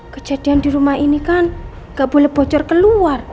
kejadian di rumah ini kan nggak boleh bocor keluar